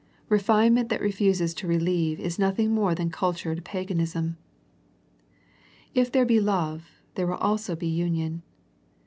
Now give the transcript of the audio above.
Refinement that refuses to re lieve is nothing more than cultured paganism. If there be love, there will also be union.